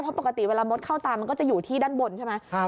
เพราะปกติเวลามดเข้าตามันก็จะอยู่ที่ด้านบนใช่ไหม